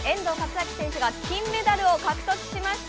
章選手が金メダルを獲得しました。